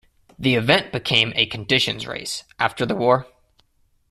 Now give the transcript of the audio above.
The event became a conditions race after the war.